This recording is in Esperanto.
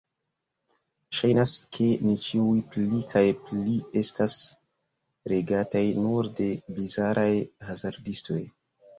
Ŝajnas, ke ni ĉiuj pli kaj pli estas regataj nur de bizaraj hazardistoj.